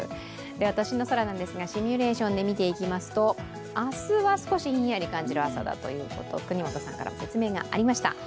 都心の空ですがシミュレーションで見ていきますと明日は少しヒンヤリ感じる朝だということを國本さんからも説明がありました。